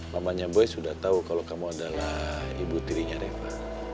mamanya boy sudah tahu kalau kamu adalah ibu tirinya reva